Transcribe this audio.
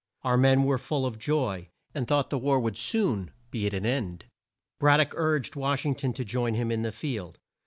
Our men were full of joy, and thought the war would soon be at an end. Brad dock urged Wash ing ton to join him in the field.